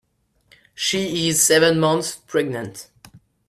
She is seven months pregnant.